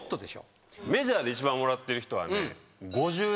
メジャーで一番もらってる人はね。